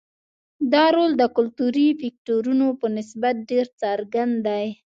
دا رول د کلتوري فکټورونو په نسبت ډېر څرګند دی.